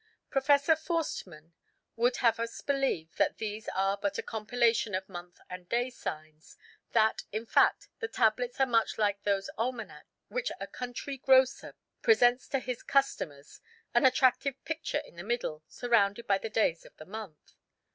Professor Forstemann would have us believe that these are but a compilation of month and day signs, that, in fact, the tablets are much like those almanacks which a country grocer presents to his customers, an attractive picture in the middle, surrounded by the days of the month.